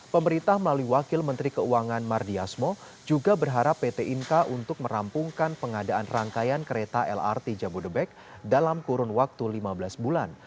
pemerintah melalui wakil menteri keuangan mardiasmo juga berharap pt inka untuk merampungkan pengadaan rangkaian kereta lrt jabodebek dalam kurun waktu lima belas bulan